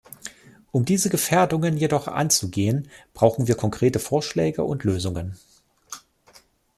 Um diese Gefährdungen jedoch anzugehen, brauchen wir konkrete Vorschläge und Lösungen.